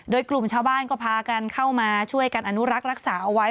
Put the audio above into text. โดยกลุ่มชาวบ้านก็พากันเข้ามาช่วยกันอนุรักษ์รักษาเอาไว้